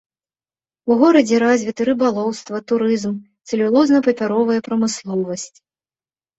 У горадзе развіты рыбалоўства, турызм, цэлюлозна-папяровая прамысловасць.